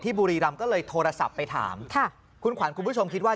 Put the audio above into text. บุรีรำก็เลยโทรศัพท์ไปถามค่ะคุณขวัญคุณผู้ชมคิดว่า